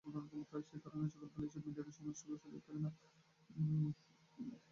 সেকারণে, সকালবেলা এসব মিডিয়াতে সময় নষ্ট করার সুযোগ ও থাকে না।